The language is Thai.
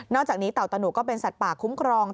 อกจากนี้เต่าตะหุก็เป็นสัตว์ป่าคุ้มครอง